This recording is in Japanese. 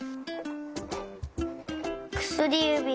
くすりゆび